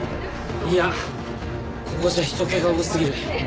いやここじゃ人けが多すぎる。